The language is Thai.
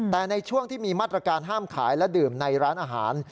แต่ในช่วงที่มีมาตรการห้ามขายและดื่มในร้านอาหาร